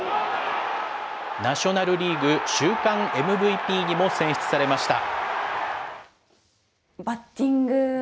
ナショナルリーグ週間ＭＶＰにも選出されました。